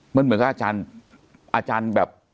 มันเหมือนกับอาจารย์อาจารย์แบบ